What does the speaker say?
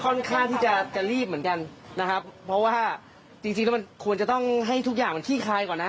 ค่อนข้างที่จะจะรีบเหมือนกันนะครับเพราะว่าจริงจริงแล้วมันควรจะต้องให้ทุกอย่างมันขี้คายก่อนนะ